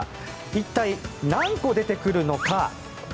一体、何個出てくるのか。